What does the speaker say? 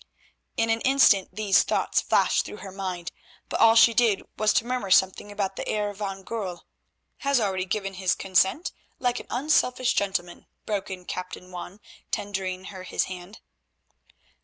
In an instant these thoughts flashed through her mind, but all she did was to murmur something about the Heer van Goorl—— "Has already given his consent, like an unselfish gentleman," broke in Captain Juan tendering her his hand.